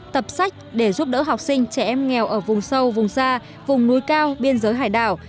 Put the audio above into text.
tập sách để giúp đỡ học sinh trẻ em nghèo ở vùng sâu vùng xa vùng núi cao biên giới hải đảo